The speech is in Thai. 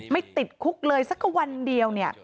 ไม่ติดคุกเลยสักวันเดียว